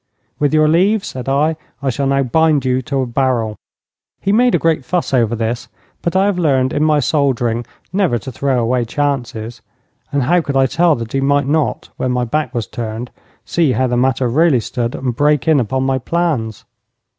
'With your leave,' said I, 'I shall now bind you to a barrel.' He made a great fuss over this, but I have learned in my soldiering never to throw away chances, and how could I tell that he might not, when my back was turned, see how the matter really stood, and break in upon my plans?